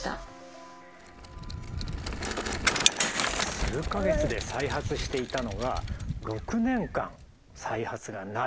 数か月で再発していたのが６年間再発がない。